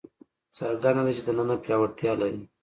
څرګنده ده چې دننه پیاوړتیا لري.